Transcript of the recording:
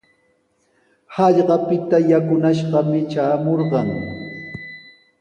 Hallqapita yakunashqami traamurqan.